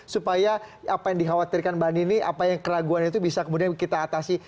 supaya apa yang dikhawatirkan mbak nini apa yang keraguan itu bisa kemudian kita atasi